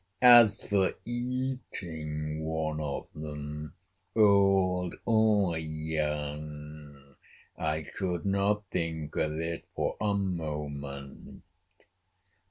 As for eating one of them, old or young, I could not think of it for a moment.